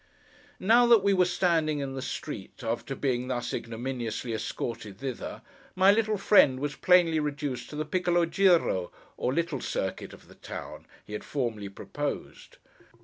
Now that we were standing in the street, after being thus ignominiouly escorted thither, my little friend was plainly reduced to the 'píccolo gíro,' or little circuit of the town, he had formerly proposed.